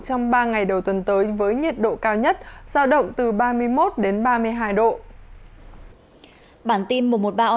trong ba ngày đầu tuần tới với nhiệt độ cao nhất giao động từ ba mươi một đến ba mươi hai độ